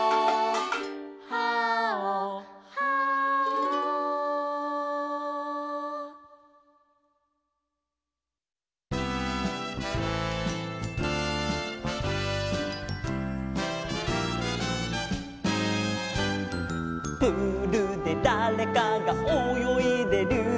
「ハオハオ」「プールでだれかがおよいでる」